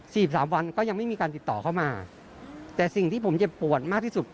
สิบสามวันก็ยังไม่มีการติดต่อเข้ามาแต่สิ่งที่ผมเจ็บปวดมากที่สุด